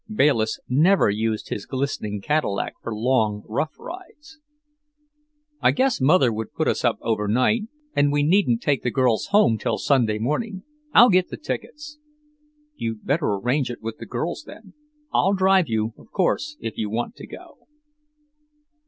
Bayliss never used his glistening Cadillac for long, rough drives. "I guess Mother would put us up overnight, and we needn't take the girls home till Sunday morning. I'll get the tickets." "You'd better arrange it with the girls, then. I'll drive you, of course, if you want to go."